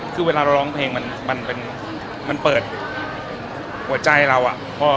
คือเวลาเราร้องเพลงมันเปิดหัวใจเราอะ